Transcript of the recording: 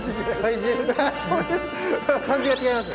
漢字が違います？